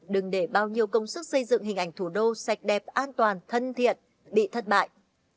đừng để bao nhiêu công sức xây dựng hình ảnh thủ đô sạch đẹp an toàn thân thiện bị thất bại